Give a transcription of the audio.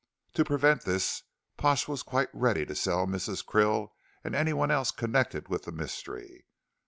To prevent this Pash was quite ready to sell Mrs. Krill and anyone else connected with the mystery.